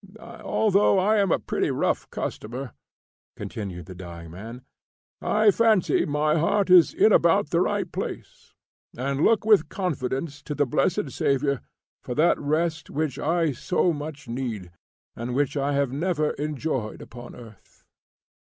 Although I am a pretty rough customer," continued the dying man, "I fancy my heart is in about the right place, and look with confidence to the blessed Saviour for that rest which I so much need, and which I have never enjoyed upon earth."